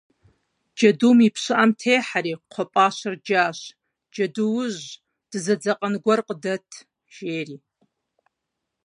Джэдум и пщыӏэм техьэри, кхъуэпӏащэр джащ: - Джэдуужь, дызэдзэкъэн гуэр къыдэт, - жери.